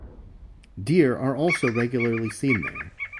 Deer are also regularly seen there.